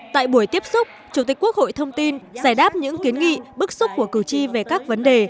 tại buổi tiếp xúc chủ tịch quốc hội thông tin giải đáp những kiến nghị bức xúc của cử tri về các vấn đề